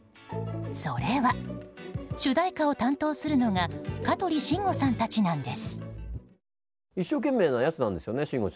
それは主題歌を担当するのが香取慎吾さんたちなんです。